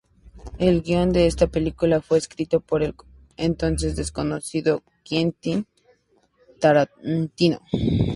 El guion de esta película fue escrito por el entonces desconocido Quentin Tarantino.